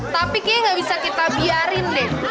tapi kayaknya gak bisa kita biarin deh